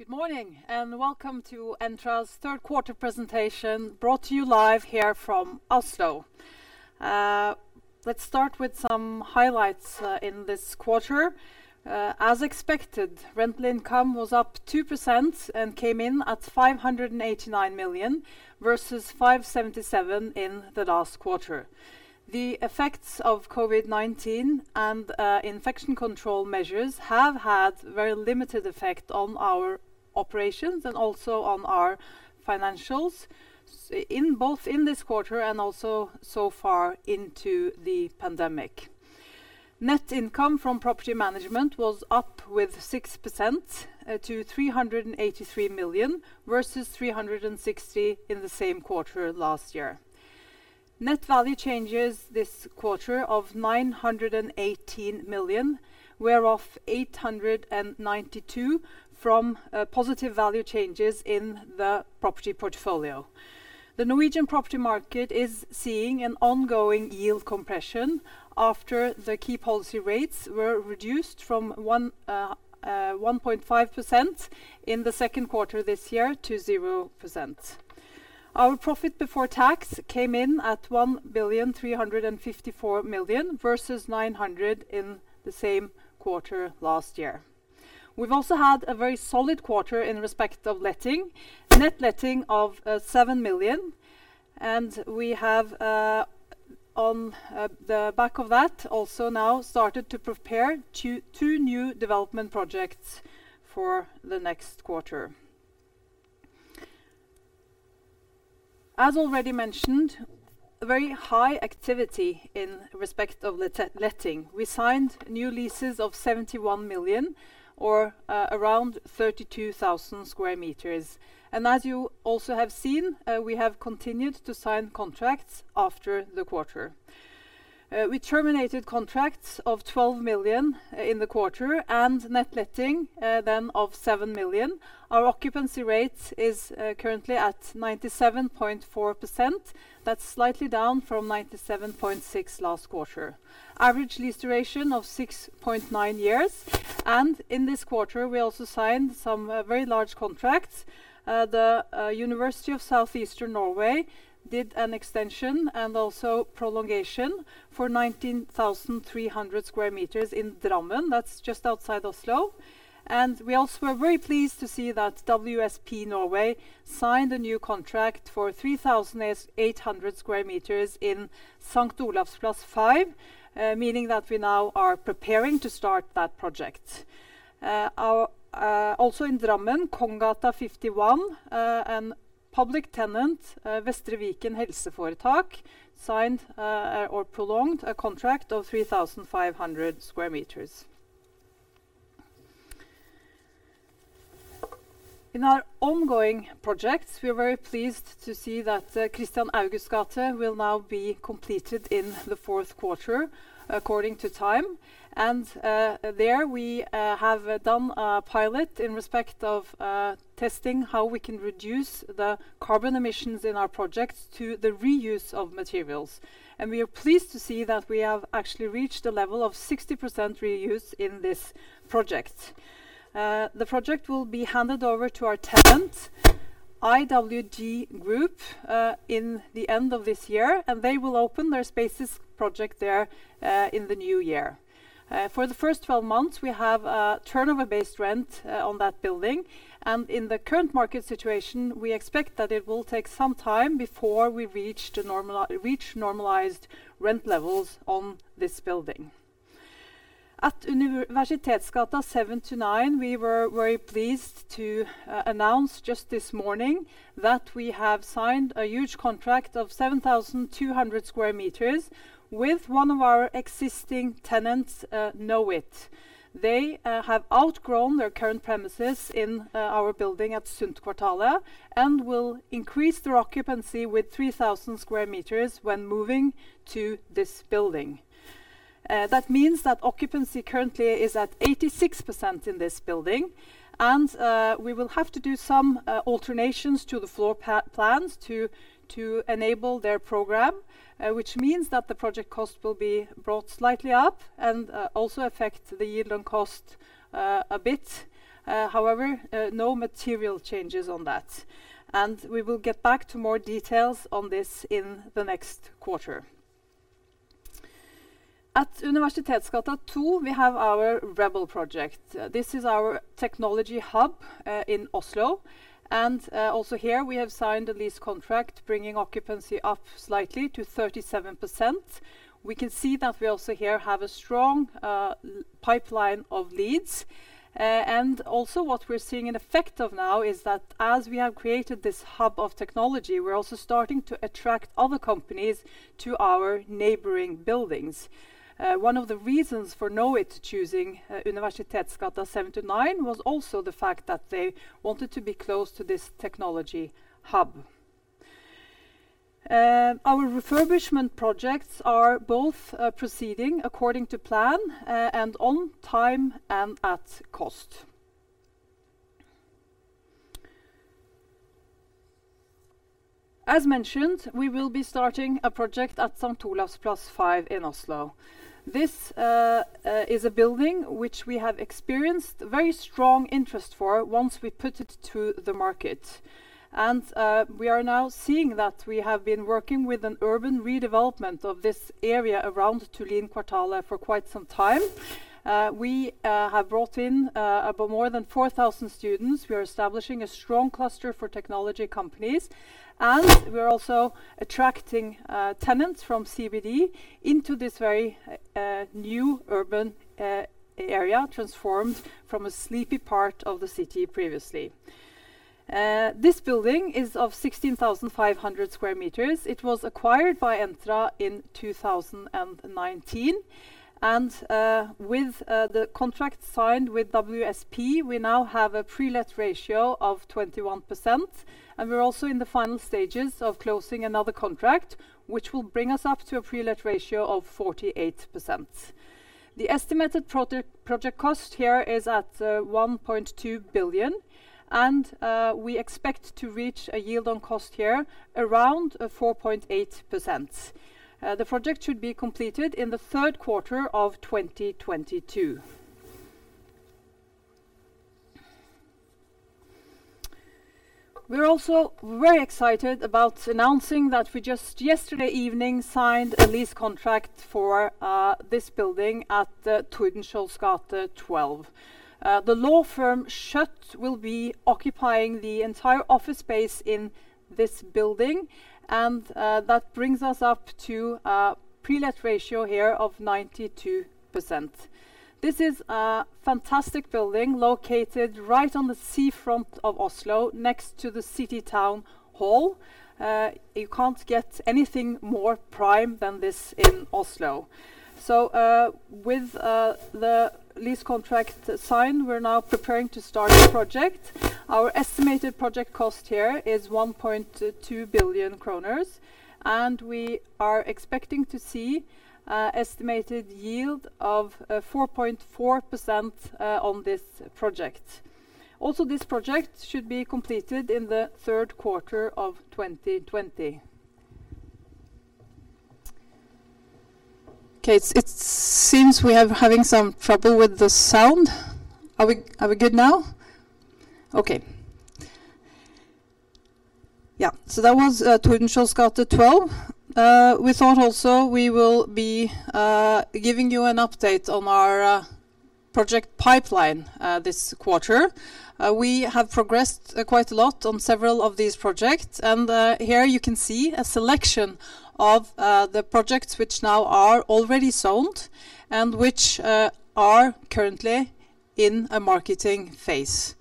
Good morning, and welcome to Entra's third quarter presentation, brought to you live here from Oslo. Let's start with some highlights in this quarter. As expected, rental income was up 2% and came in at 589 million versus 577 in the last quarter. The effects of COVID-19 and infection control measures have had very limited effect on our operations and also on our financials, both in this quarter and also so far into the pandemic. Net income from property management was up with 6% to 383 million versus 360 in the same quarter last year. Net value changes this quarter of 918 million, whereof 892 from positive value changes in the property portfolio. The Norwegian property market is seeing an ongoing yield compression after the key policy rates were reduced from 1.5% in the second quarter of this year to 0%. Our profit before tax came in at 1.354 billion versus 900 in the same quarter last year. We've also had a very solid quarter in respect of letting. Net letting of 7 million. We have on the back of that also now started to prepare two new development projects for the next quarter. As already mentioned, very high activity in respect of the letting. We signed new leases of 71 million or around 32,000 sq m. As you also have seen, we have continued to sign contracts after the quarter. We terminated contracts of 12 million in the quarter and net letting then of 7 million. Our occupancy rate is currently at 97.4%. That's slightly down from 97.6% last quarter. Average lease duration of 6.9 years. In this quarter, we also signed some very large contracts. The University of South-Eastern Norway did an extension and also prolongation for 19,300 sq m in Drammen. That's just outside Oslo. We also are very pleased to see that WSP Norway signed a new contract for 3,800 sq m in St. Olavs plass 5, meaning that we now are preparing to start that project. Also in Drammen, Konggata 51, a public tenant, Vestre Viken HF, signed or prolonged a contract of 3,500 sq m. In our ongoing projects, we are very pleased to see that Kristian Augusts gate will now be completed in the fourth quarter according to time. There we have done a pilot in respect of testing how we can reduce the carbon emissions in our projects to the reuse of materials. We are pleased to see that we have actually reached a level of 60% reuse in this project. The project will be handed over to our tenant, IWG Group, in the end of this year, and they will open their Spaces project there in the new year. For the first 12 months, we have a turnover-based rent on that building, and in the current market situation, we expect that it will take some time before we reach normalized rent levels on this building. At Universitetsgata 7-9, we were very pleased to announce just this morning that we have signed a huge contract of 7,200 sq m with one of our existing tenants, Knowit. They have outgrown their current premises in our building at Sundtkvartalet and will increase their occupancy with 3,000 sq m when moving to this building. That means that occupancy currently is at 86% in this building, and we will have to do some alterations to the floor plans to enable their program, which means that the project cost will be brought slightly up and also affect the yield on cost a bit. However, no material changes on that. We will get back to more details on this in the next quarter. At Universitetsgata 2, we have our Rebel project. This is our technology hub in Oslo. Also here we have signed a lease contract bringing occupancy up slightly to 37%. We can see that we also here have a strong pipeline of leads. Also what we are seeing an effect of now is that as we have created this hub of technology, we are also starting to attract other companies to our neighboring buildings. One of the reasons for Knowit choosing Universitetsgata 7-9 was also the fact that they wanted to be close to this technology hub. Our refurbishment projects are both proceeding according to plan and on time and at cost. As mentioned, we will be starting a project at St. Olavs plass 5 in Oslo. This is a building which we have experienced very strong interest for once we put it to the market. We are now seeing that we have been working with an urban redevelopment of this area around Tullinkvartalet for quite some time. We have brought in about more than 4,000 students. We are establishing a strong cluster for technology companies, and we are also attracting tenants from CBD into this very new urban area, transformed from a sleepy part of the city previously. This building is of 16,500 sq m. It was acquired by Entra in 2019. With the contract signed with WSP, we now have a pre-let ratio of 21%, and we're also in the final stages of closing another contract, which will bring us up to a pre-let ratio of 48%. The estimated project cost here is at 1.2 billion, and we expect to reach a yield on cost here around 4.8%. The project should be completed in the third quarter of 2022. We are also very excited about announcing that we just yesterday evening signed a lease contract for this building at Tordenskiolds gate 12. The law firm Schjødt will be occupying the entire office space in this building, and that brings us up to a pre-let ratio here of 92%. This is a fantastic building located right on the seafront of Oslo, next to the city town hall. You can't get anything more prime than this in Oslo. With the lease contract signed, we're now preparing to start the project. Our estimated project cost here is 1.2 billion kroner, and we are expecting to see estimated yield of 4.4% on this project. This project should be completed in the third quarter of 2020. It seems we are having some trouble with the sound. Are we good now? Okay. That was Tordenskiolds gate 12. We thought also we will be giving you an update on our project pipeline this quarter. We have progressed quite a lot on several of these projects, and here you can see a selection of the projects which now are already sold and which are currently in a marketing phase.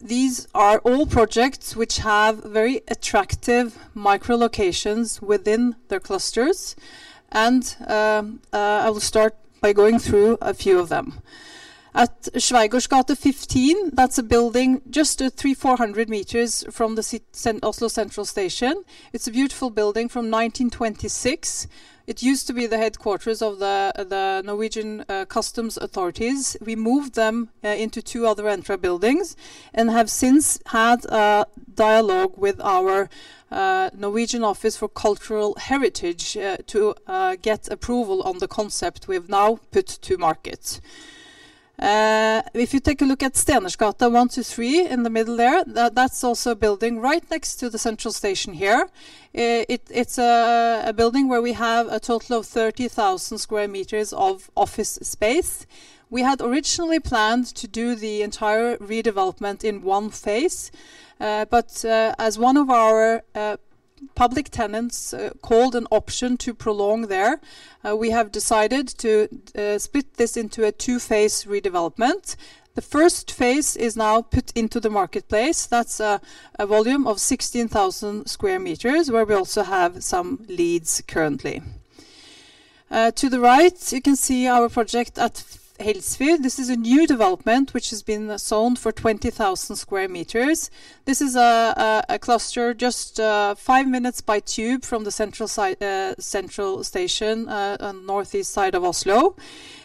These are all projects which have very attractive micro locations within their clusters, and I will start by going through a few of them. At Schweigaards gate 15, that's a building just at 300m, 400m from the Oslo Central Station. It's a beautiful building from 1926. It used to be the headquarters of the Norwegian Customs Authorities. We moved them into two other Entra buildings and have since had a dialogue with our Directorate for Cultural Heritage to get approval on the concept we have now put to market. If you take a look at Stenersgata 1-3 in the middle there, that's also a building right next to the Central Station here. It's a building where we have a total of 30,000 sq m of office space. We had originally planned to do the entire redevelopment in one phase. As one of our public tenants called an option to prolong there, we have decided to split this into a two-phase redevelopment. The first phase is now put into the marketplace. That's a volume of 16,000 sq m where we also have some leads currently. To the right, you can see our project at Helsfyr. This is a new development which has been sold for 20,000 sq m. This is a cluster just five minutes by tube from the Central Station on northeast side of Oslo.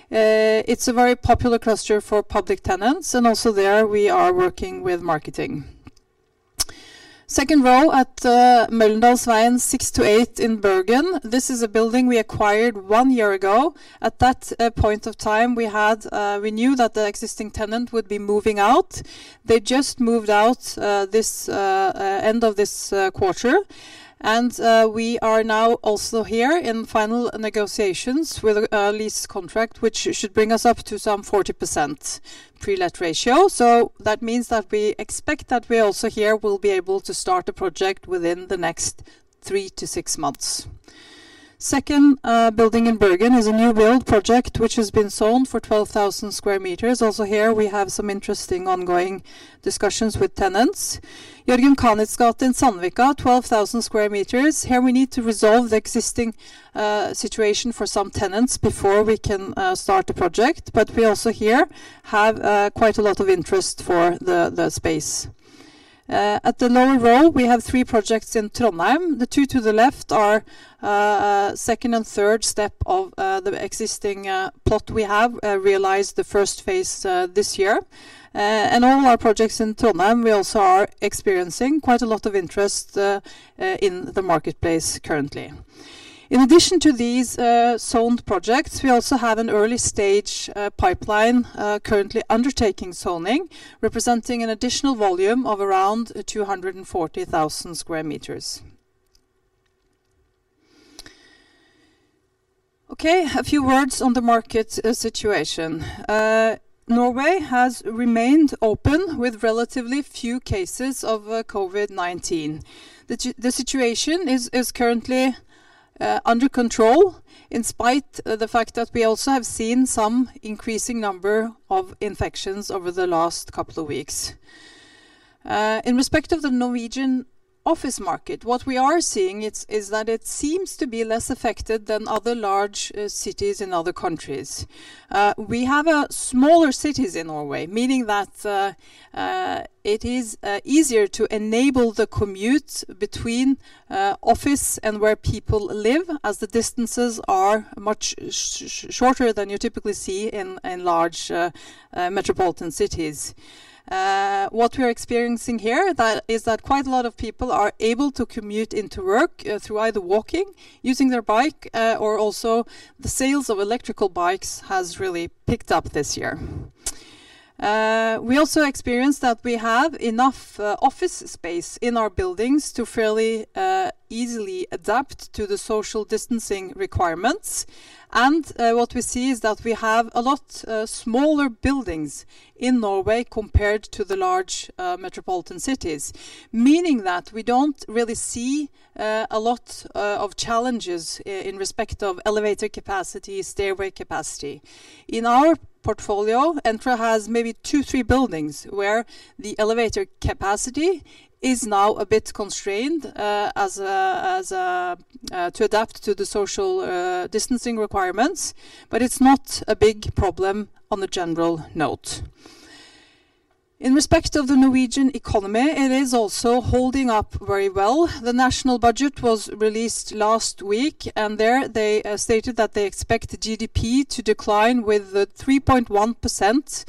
It's a very popular cluster for public tenants, and also there we are working with marketing. Second row at Møllendalsveien 6-8 in Bergen. This is a building we acquired one year ago. At that point of time, we knew that the existing tenant would be moving out. They just moved out end of this quarter. We are now also here in final negotiations with a lease contract, which should bring us up to some 40% pre-let ratio. We expect that we also here will be able to start the project within the next 3-6 months. Second building in Bergen is a new build project which has been sold for 12,000 sq m. Here we have some interesting ongoing discussions with tenants. Jørgen Kanitz' gate in Sandvika, 12,000 sq m. Here we need to resolve the existing situation for some tenants before we can start the project. We also here have quite a lot of interest for the space. At the lower row, we have three projects in Trondheim. The two to the left are second and third step of the existing plot we have. Realized the first phase this year. All our projects in Trondheim, we also are experiencing quite a lot of interest in the marketplace currently. In addition to these zoned projects, we also have an early-stage pipeline currently undertaking zoning, representing an additional volume of around 240,000 sq m. Okay, a few words on the market situation. Norway has remained open with relatively few cases of COVID-19. The situation is currently under control in spite of the fact that we also have seen some increasing number of infections over the last couple of weeks. In respect of the Norwegian office market, what we are seeing is that it seems to be less affected than other large cities in other countries. We have smaller cities in Norway, meaning that it is easier to enable the commute between office and where people live, as the distances are much shorter than you typically see in large metropolitan cities. What we are experiencing here is that quite a lot of people are able to commute into work through either walking, using their bike, or also the sales of electrical bikes has really picked up this year. We also experienced that we have enough office space in our buildings to fairly easily adapt to the social distancing requirements. What we see is that we have a lot smaller buildings in Norway compared to the large metropolitan cities, meaning that we don't really see a lot of challenges in respect of elevator capacity, stairway capacity. In our portfolio, Entra has maybe two, three buildings where the elevator capacity is now a bit constrained to adapt to the social distancing requirements, but it's not a big problem on the general note. In respect of the Norwegian economy, it is also holding up very well. The national budget was released last week, there they stated that they expect the GDP to decline with 3.1%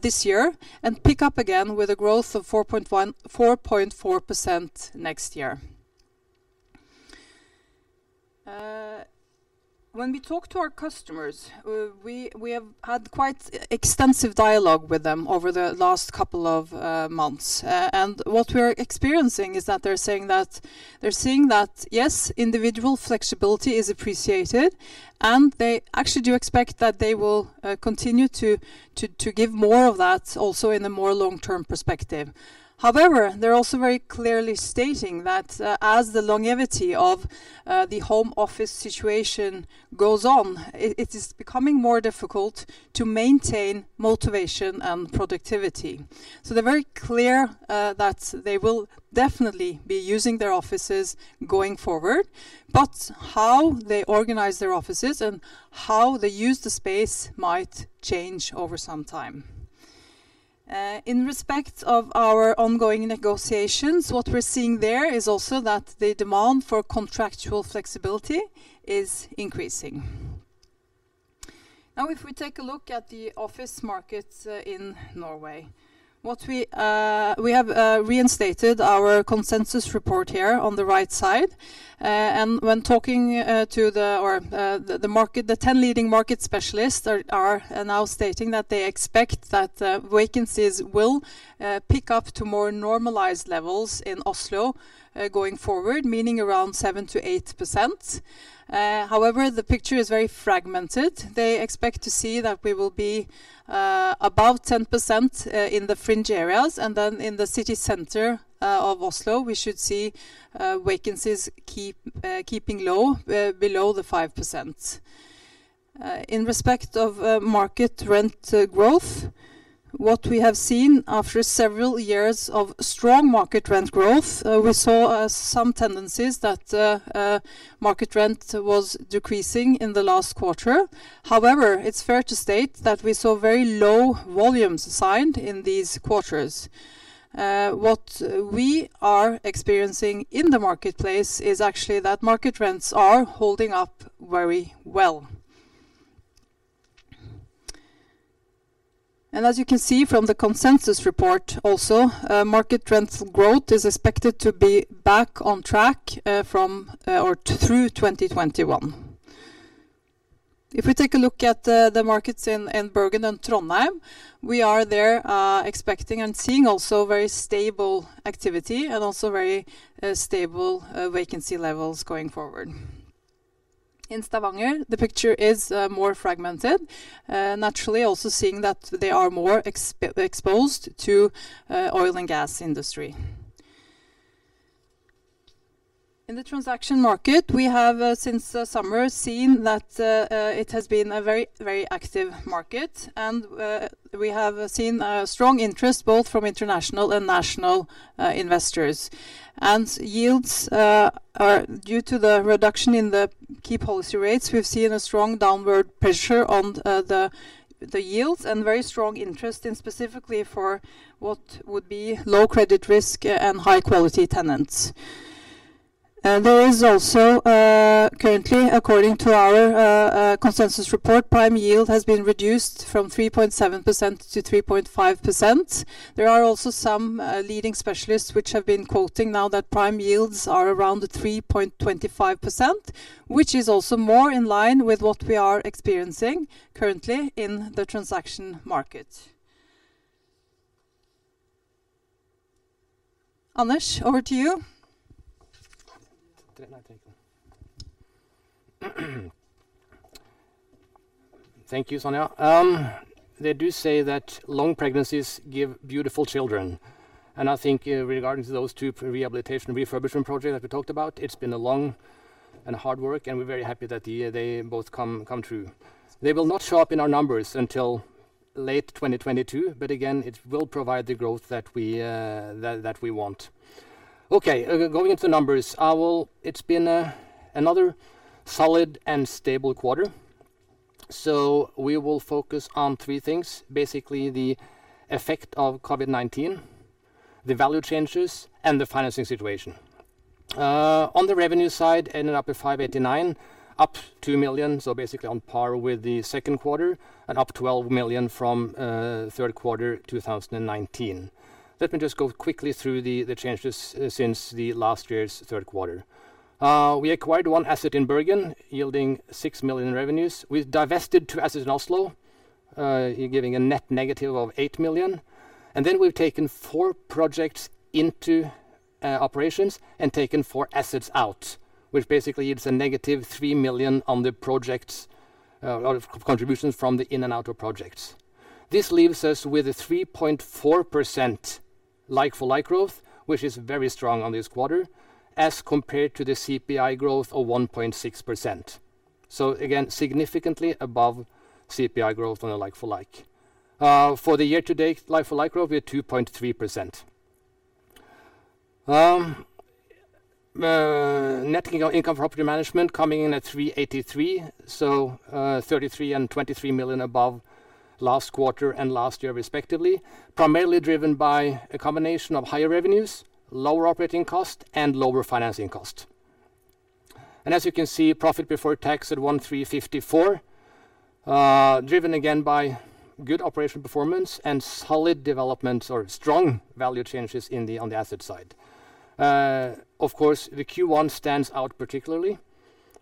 this year and pick up again with a growth of 4.4% next year. When we talk to our customers, we have had quite extensive dialogue with them over the last couple of months. What we are experiencing is that they're saying that they're seeing that, yes, individual flexibility is appreciated, and they actually do expect that they will continue to give more of that also in the more long-term perspective. However, they're also very clearly stating that as the longevity of the home office situation goes on, it is becoming more difficult to maintain motivation and productivity. They're very clear that they will definitely be using their offices going forward, but how they organize their offices and how they use the space might change over some time. In respect of our ongoing negotiations, what we're seeing there is also that the demand for contractual flexibility is increasing. If we take a look at the office markets in Norway. We have reinstated our consensus report here on the right side. When talking to the 10 leading market specialists are now stating that they expect that vacancies will pick up to more normalized levels in Oslo, going forward, meaning around 7%-8%. However, the picture is very fragmented. They expect to see that we will be above 10% in the fringe areas. In the city center of Oslo, we should see vacancies keeping low, below the 5%. In respect of market rent growth, what we have seen after several years of strong market rent growth, we saw some tendencies that market rent was decreasing in the last quarter. However, it's fair to state that we saw very low volumes signed in these quarters. What we are experiencing in the marketplace is actually that market rents are holding up very well. As you can see from the consensus report also, market rents growth is expected to be back on track through 2021. If we take a look at the markets in Bergen and Trondheim, we are there expecting and seeing also very stable activity and also very stable vacancy levels going forward. In Stavanger, the picture is more fragmented. Naturally, also seeing that they are more exposed to oil and gas industry. In the transaction market, we have, since summer, seen that it has been a very active market. We have seen a strong interest both from international and national investors. Yields are due to the reduction in the key policy rates. We've seen a strong downward pressure on the yields and very strong interest in specifically for what would be low credit risk and high-quality tenants. There is also currently, according to our consensus report, prime yield has been reduced from 3.7%-3.5%. There are also some leading specialists which have been quoting now that prime yields are around the 3.25%, which is also more in line with what we are experiencing currently in the transaction market. Anders, over to you. Thank you, Sonja. They do say that long pregnancies give beautiful children, and I think regarding those two rehabilitation refurbishment projects that we talked about, it's been a long and hard work, and we're very happy that they both come true. They will not show up in our numbers until late 2022, but again, it will provide the growth that we want. Okay. Going into numbers. It's been another solid and stable quarter. We will focus on three things. Basically, the effect of COVID-19, the value changes, and the financing situation. On the revenue side, ended up at 589, up 2 million, so basically on par with the second quarter, and up 12 million from third quarter 2019. Let me just go quickly through the changes since the last year's third quarter. We acquired one asset in Bergen, yielding 6 million in revenues. We divested two assets in Oslo, giving a net negative of 8 million. We've taken four projects into operations and taken four assets out, which basically gives a negative 3 million on the projects' contributions from the in and out of projects. This leaves us with a 3.4% like-for-like growth, which is very strong on this quarter as compared to the CPI growth of 1.6%. Again, significantly above CPI growth on a like-for-like. For the year-to-date like-for-like growth, we are 2.3%. Net income property management coming in at 383 million, 33 million and 23 million above last quarter and last year respectively, primarily driven by a combination of higher revenues, lower operating costs, and lower financing costs. As you can see, profit before tax at 1,354 million, driven again by good operational performance and solid development or strong value changes on the asset side. Of course, the Q1 stands out particularly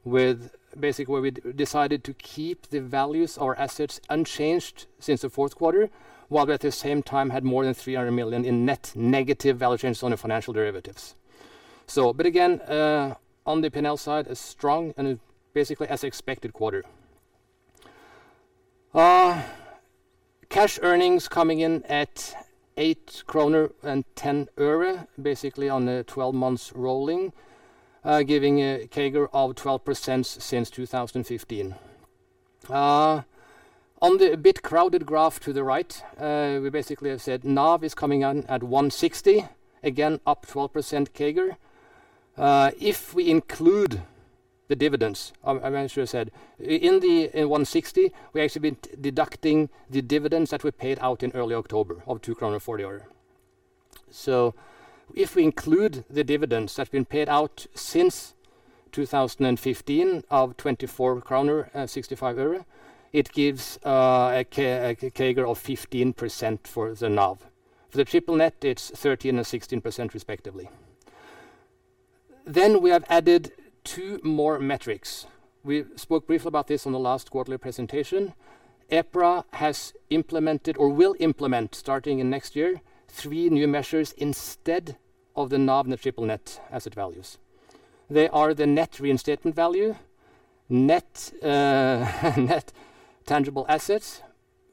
with basically where we decided to keep the values or assets unchanged since the fourth quarter, while at the same time had more than 300 million in net negative value changes on the financial derivatives. Again, on the P&L side, a strong and basically as expected quarter. Cash earnings coming in at NOK 8.10, basically on a 12 months rolling, giving a CAGR of 12% since 2015. On the bit crowded graph to the right, we basically have said NAV is coming in at 160, again, up 12% CAGR. If we include the dividends, I mentioned, I said, in 160, we have actually been deducting the dividends that we paid out in early October of 2.40 kroner. If we include the dividends that have been paid out since 2015 of 24 kroner and 65 øre, it gives a CAGR of 15% for the NAV. For the triple net, it's 30% and 16%, respectively. We have added two more metrics. We spoke briefly about this on the last quarterly presentation. EPRA has implemented or will implement starting in next year, three new measures instead of the NAV and the triple net asset values. They are the Net Reinstatement Value, Net Tangible Assets,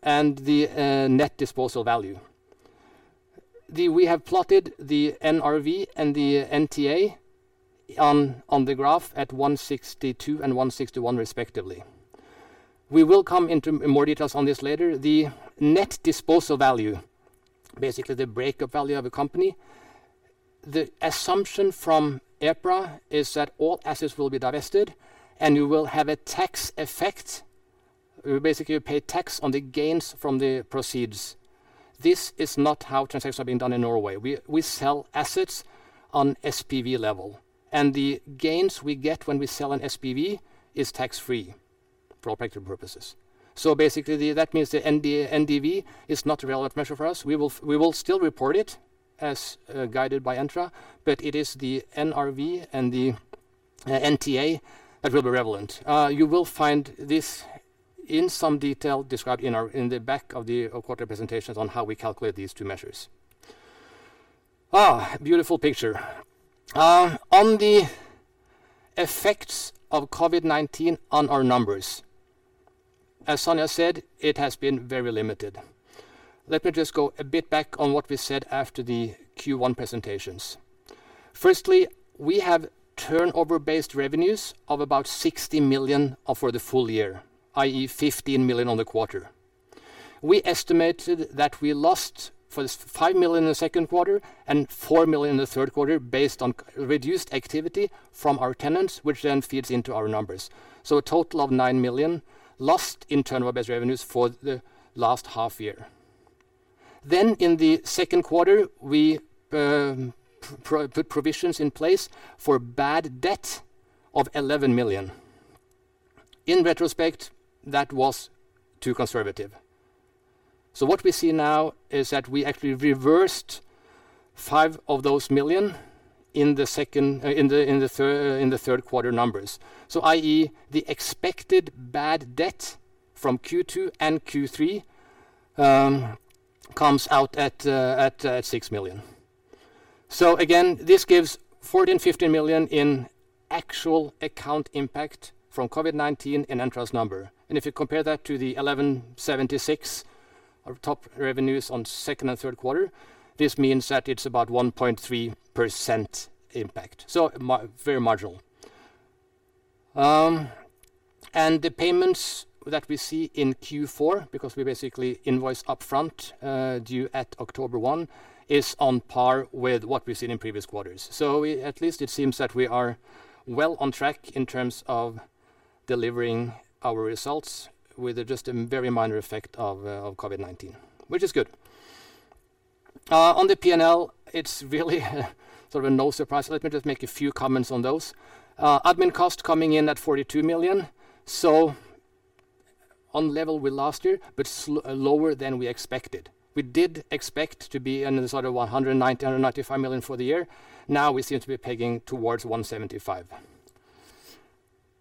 and the Net Disposal Value. We have plotted the NRV and the NTA on the graph at 162 and 161, respectively. We will come into more details on this later. The Net Disposal Value, basically the breakup value of a company, the assumption from EPRA is that all assets will be divested, and you will have a tax effect. You basically pay tax on the gains from the proceeds. This is not how transactions are being done in Norway. We sell assets on SPV level, and the gains we get when we sell an SPV is tax-free for all practical purposes. Basically, that means the NDV is not a relevant measure for us. We will still report it as guided by Entra, it is the NRV and the NTA that will be relevant. You will find this in some detail described in the back of the quarter presentations on how we calculate these two measures. Beautiful picture. On the effects of COVID-19 on our numbers. As Sonja said, it has been very limited. Let me just go a bit back on what we said after the Q1 presentations. We have turnover based revenues of about 60 million for the full year, i.e., 15 million on the quarter. We estimated that we lost for the 5 million in the second quarter and 4 million in the third quarter based on reduced activity from our tenants, which then feeds into our numbers. A total of 9 million lost in turnover based revenues for the last half year. In the second quarter, we put provisions in place for bad debt of 11 million. In retrospect, that was too conservative. What we see now is that we actually reversed 5 million in the third quarter numbers. I.e., the expected bad debt from Q2 and Q3 comes out at 6 million. This gives 14 million-15 million in actual account impact from COVID-19 in Entra's number. If you compare that to the 1,176 of top revenues on second and third quarter, this means that it's about 1.3% impact. Very marginal. The payments that we see in Q4, because we basically invoice upfront due at October 1st, is on par with what we've seen in previous quarters. At least it seems that we are well on track in terms of delivering our results with just a very minor effect of COVID-19, which is good. On the P&L, it's really short-term a no surprise. Let me just make a few comments on those. Admin cost coming in at 42 million. On level with last year, but lower than we expected. We did expect to be in the short-term 190 million-195 million for the year. Now we seem to be pegging towards 175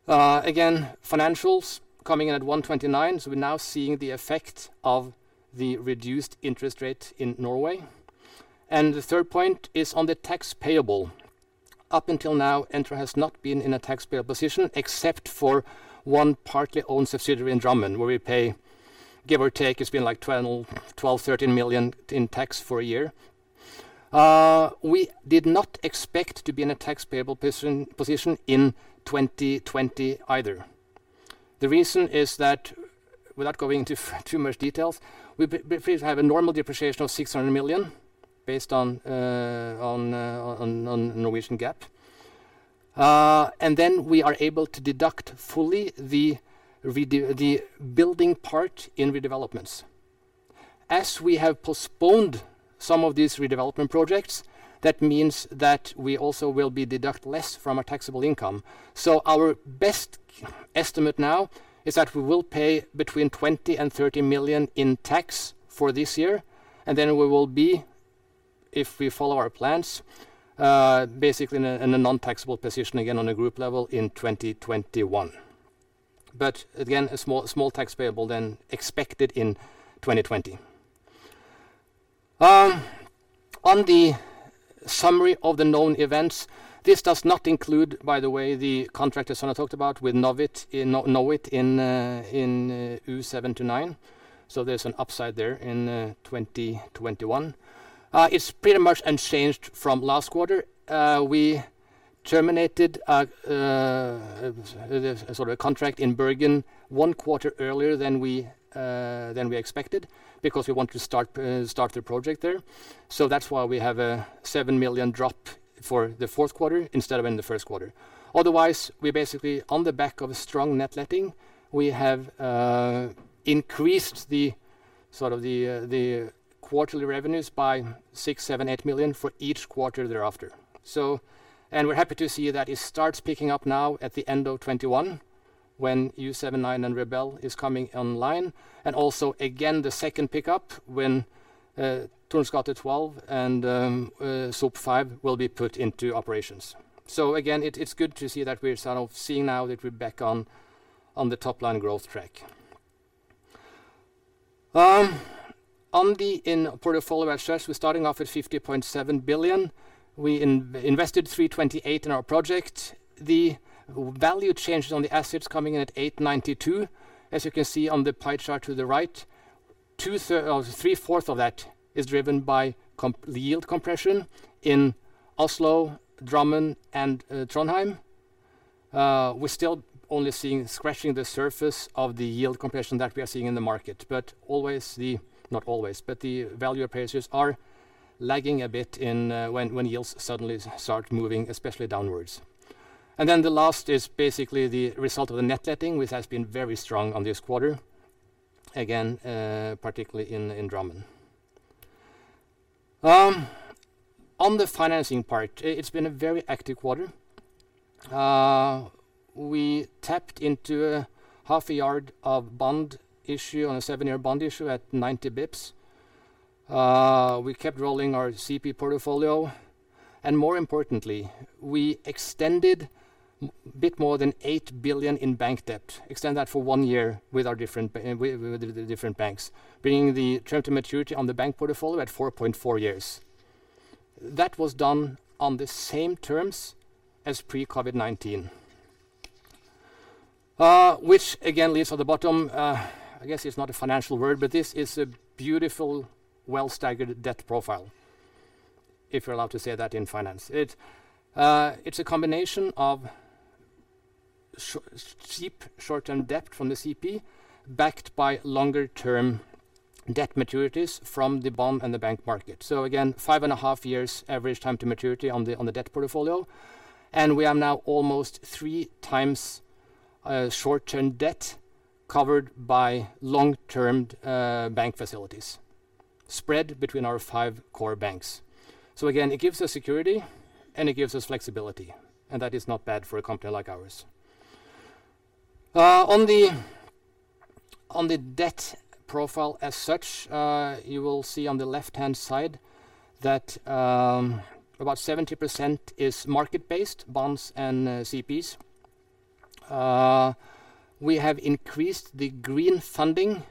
million. Again, financials coming in at 129 million. We're now seeing the effect of the reduced interest rate in Norway. The third point is on the tax payable. Up until now, Entra has not been in a taxpayer position except for one partly owned subsidiary in Drammen where we pay, give or take, it's been like 12 million, 13 million in tax for a year. We did not expect to be in a tax payable position in 2020 either. The reason is that, without going into too much details, we have a normal depreciation of 600 million based on Norwegian GAAP. We are able to deduct fully the building part in redevelopments. As we have postponed some of these redevelopment projects, that means that we also will be deduct less from our taxable income. Our best estimate now is that we will pay between 20 million and 30 million in tax for this year, and then we will be, if we follow our plans, basically in a non-taxable position again on a group level in 2021. Again, a small tax payable than expected in 2020. On the summary of the known events, this does not include, by the way, the contract as Sonja talked about with Knowit in U-7-9. There's an upside there in 2021. It's pretty much unchanged from last quarter. We terminated a short-term contract in Bergen one quarter earlier than we expected because we want to start the project there. That's why we have a seven million drop for the fourth quarter instead of in the first quarter. Otherwise, we basically, on the back of a strong net letting, we have increased the quarterly revenues by 6 million, 7 million, 8 million for each quarter thereafter. We're happy to see that it starts picking up now at the end of 2021 when U-7, 9 and Rebel is coming online. Also again, the second pickup when Tordenskiolds gate 12 and St. Olavs plass 5 will be put into operations. Again, it's good to see that we're short-term seeing now that we're back on the top line growth track. On the portfolio assets, we're starting off at 50.7 billion. We invested 328 in our project. The value changes on the assets coming in at 892. As you can see on the pie chart to the right, three-fourth of that is driven by the yield compression in Oslo, Drammen, and Trondheim. We're still only scratching the surface of the yield compression that we are seeing in the market. The value appraisers are lagging a bit when yields suddenly start moving, especially downwards. The last is basically the result of the net letting, which has been very strong on this quarter. Again, particularly in Drammen. On the financing part, it's been a very active quarter. We tapped into half a yard of bond issue on a seven-year bond issue at 90 bps. We kept rolling our CP portfolio, and more importantly, we extended a bit more than 8 billion in bank debt, extend that for one year with the different banks, bringing the term to maturity on the bank portfolio at 4.4 years. That was done on the same terms as pre-COVID-19. Again, leads to the bottom, I guess it's not a financial word, but this is a beautiful well-staggered debt profile, if you're allowed to say that in finance. It's a combination of cheap short-term debt from the CP backed by longer term debt maturities from the bond and the bank market. Again, five and a half years average time to maturity on the debt portfolio. We are now almost three times a short-term debt covered by long-term bank facilities spread between our five core banks. Again, it gives us security, it gives us flexibility, and that is not bad for a company like ours. On the debt profile as such, you will see on the left-hand side that about 70% is market-based bonds and CPs. We have increased the green funding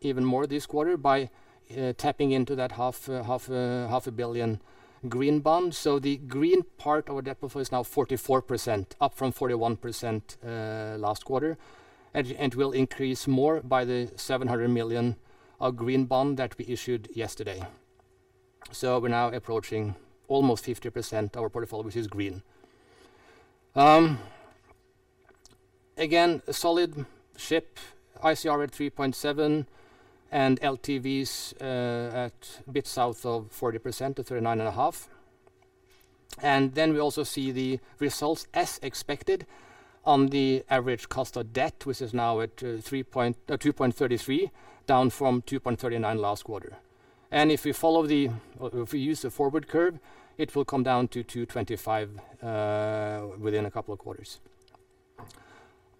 even more this quarter by tapping into that half a billion green bonds. The green part of our debt profile is now 44%, up from 41% last quarter, and will increase more by the 700 million of green bond that we issued yesterday. We're now approaching almost 50% our portfolio, which is green. Again, a solid ship, ICR at 3.7 and LTVs at a bit south of 40%-39.5%. Then we also see the results as expected on the average cost of debt, which is now at 2.33%, down from 2.39% last quarter. If we use the forward curve, it will come down to 2.25% within a couple of quarters.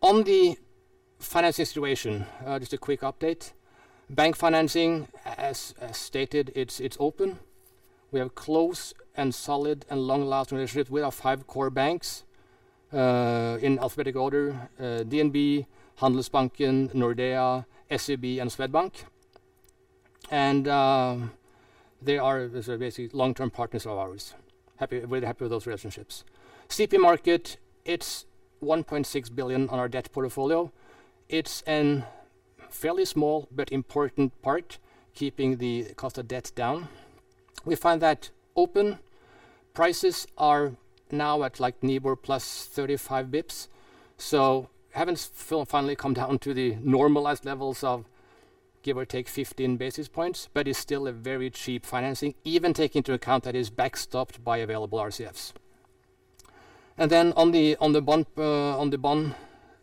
On the finance situation, just a quick update. Bank financing, as stated, it's open. We have close and solid and long-lasting relationships with our five core banks. In alphabetical order, DNB, Handelsbanken, Nordea, SEB, and Swedbank. They are basically long-term partners of ours. Very happy with those relationships. CP market, it's 1.6 billion on our debt portfolio. It's a fairly small but important part, keeping the cost of debt down. We find that open prices are now at like Nibor +35 bps. Haven't fully come down to the normalized levels of give or take 15 basis points, but it's still a very cheap financing, even take into account that is backstopped by available RCFs. On the bond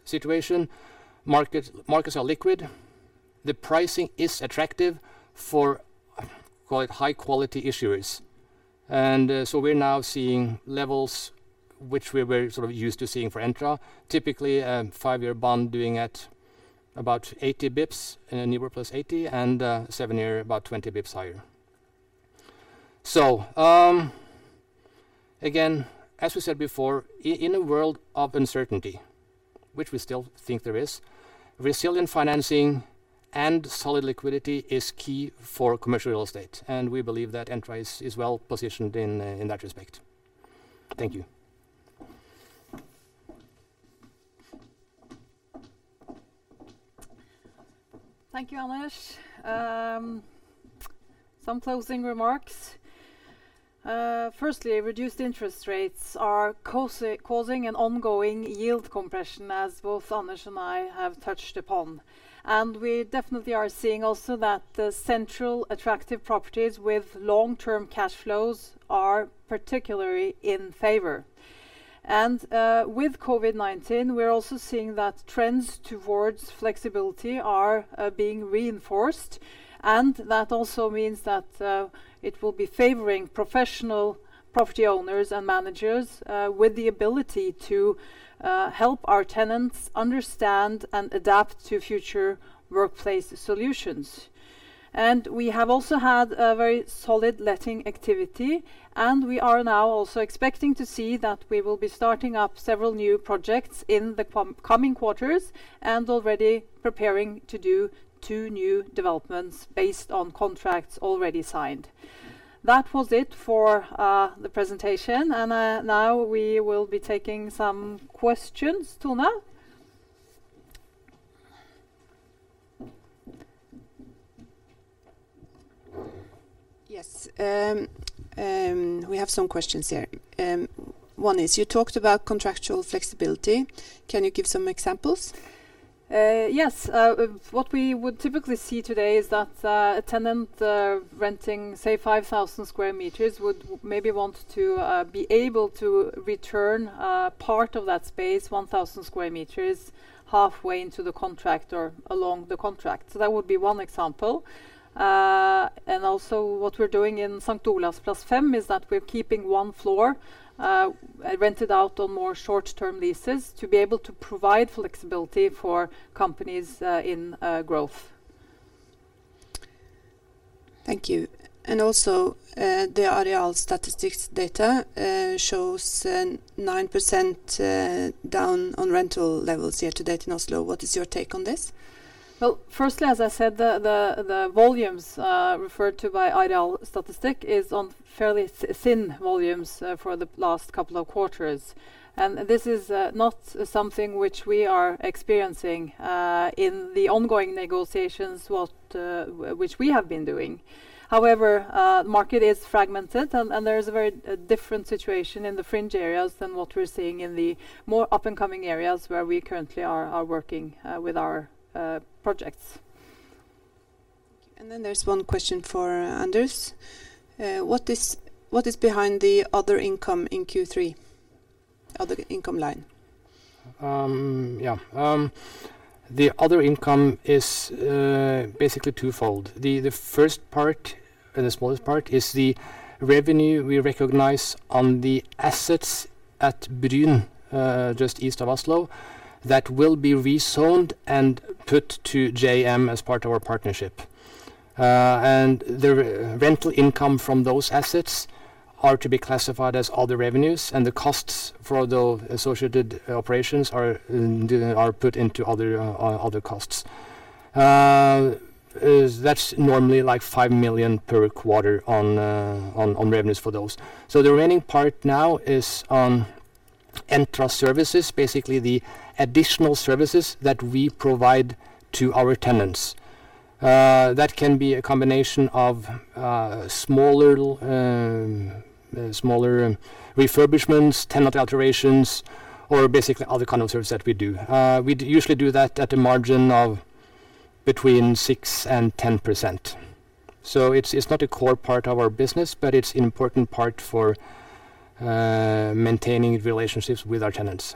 situation, markets are liquid. The pricing is attractive for call it high-quality issuers. We're now seeing levels which we're very used to seeing for Entra. Typically, a 5-year bond doing at about 80 bps, and a Nibor +80, and a 7-year about 20 bps higher. Again, as we said before, in a world of uncertainty, which we still think there is, resilient financing and solid liquidity is key for commercial real estate. We believe that Entra is well positioned in that respect. Thank you. Thank you, Anders. Some closing remarks. Firstly, reduced interest rates are causing an ongoing yield compression, as both Anders and I have touched upon. We definitely are seeing also that the central attractive properties with long-term cash flows are particularly in favor. With COVID-19, we are also seeing that trends towards flexibility are being reinforced. That also means that it will be favoring professional property owners and managers with the ability to help our tenants understand and adapt to future workplace solutions. We have also had a very solid letting activity, and we are now also expecting to see that we will be starting up several new projects in the coming quarters, and already preparing to do two new developments based on contracts already signed. That was it for the presentation. Now we will be taking some questions. Tone? Yes. We have some questions here. One is, you talked about contractual flexibility. Can you give some examples? Yes. What we would typically see today is that a tenant renting, say, 5,000 sq m would maybe want to be able to return part of that space, 1,000 sq m, halfway into the contract or along the contract. Also what we're doing in St. Olavs plass 5 is that we're keeping one floor rented out on more short-term leases to be able to provide flexibility for companies in growth. Thank you. Also, the Arealstatistikk data shows 9% down on rental levels year to date in Oslo. What is your take on this? Well, firstly, as I said, the volumes referred to by Arealstatistikk is on fairly thin volumes for the last couple of quarters. This is not something which we are experiencing in the ongoing negotiations which we have been doing. However, market is fragmented, and there is a very different situation in the fringe areas than what we're seeing in the more up-and-coming areas where we currently are working with our projects. There's one question for Anders. What is behind the other income in Q3? Other income line. Yeah. The other income is basically twofold. The first part, and the smallest part, is the revenue we recognize on the assets at Bryn, just east of Oslo, that will be rezoned and put to JM as part of our partnership. The rental income from those assets are to be classified as other revenues, and the costs for the associated operations are put into other costs. That's normally 5 million per quarter on revenues for those. The remaining part now is on Entra services, basically the additional services that we provide to our tenants. That can be a combination of smaller refurbishments, tenant alterations, or basically other kind of services that we do. We usually do that at a margin of between 6% and 10%. It's not a core part of our business, but it's an important part for maintaining relationships with our tenants.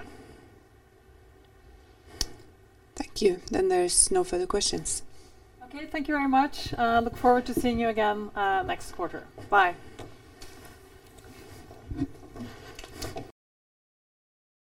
Thank you. There's no further questions. Okay. Thank you very much. Look forward to seeing you again next quarter. Bye.